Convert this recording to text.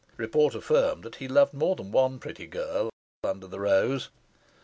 Report affirmed that he loved more than one pretty girl under the rose.